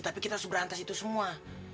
tapi kita harus berantas itu semua